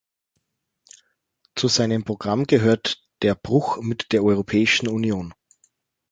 Zu seinem Programm gehört der Bruch mit der Europäischen Union.